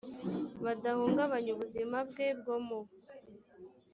budahungabanya ubuzima bwe bwo mu